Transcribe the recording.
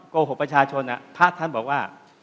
โกหกประชาชนพระท่านบอกว่า